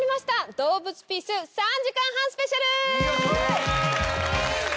『どうぶつピース！！』３時間半スペシャル！